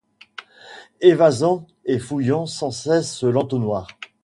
Évasant et fouillant sans cesse l’entonnoir